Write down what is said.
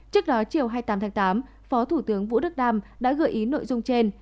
trước đó chiều hai mươi tám tháng tám phó thủ tướng vũ đức đam đã gợi ý nội dung trên